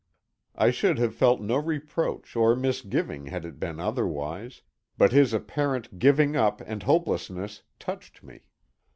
I should have felt no reproach or misgiving had it been otherwise, but his apparent giving up, and hopelessness, touched me.